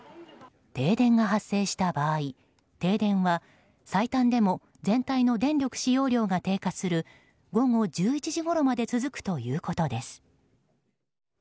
停電が発生した場合停電は最短でも全体の電力使用量が低下する午後１１時ごろまで続くということです。